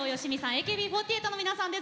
ＡＫＢ４８の皆さんです。